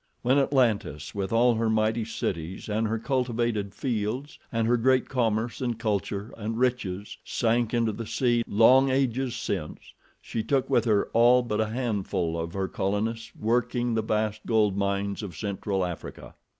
When Atlantis, with all her mighty cities and her cultivated fields and her great commerce and culture and riches sank into the sea long ages since, she took with her all but a handful of her colonists working the vast gold mines of Central Africa.